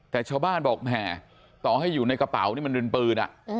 แต่ชาวบ้านบอกแหมต่อให้อยู่ในกระเป๋านี่มันเป็นปืน